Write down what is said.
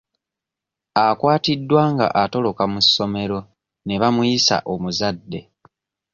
Akwatiddwa nga atoloka mu ssomero ne bamuyisa omuzadde.